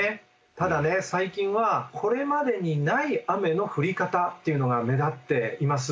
ただね最近はこれまでにない雨の降り方っていうのが目立っています。